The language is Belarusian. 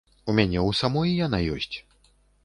У мяне ў самой яна ёсць.